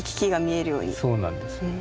そうなんです。